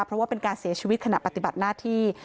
เพราะว่าเป็นการเสียชีวิตขณะปฏิบัติหน้าที่